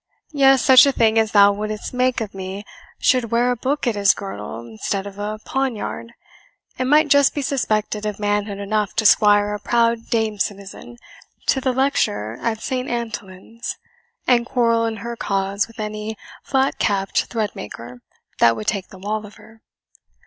Yes, such a thing as thou wouldst make of me should wear a book at his girdle instead of a poniard, and might just be suspected of manhood enough to squire a proud dame citizen to the lecture at Saint Antonlin's, and quarrel in her cause with any flat capped threadmaker that would take the wall of her.